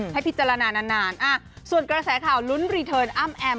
ให้พิจารณานานส่วนกระแสข่าวลุ้นรีเทิร์นอ้ำแอม